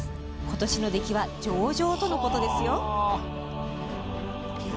今年の出来は上々とのことです。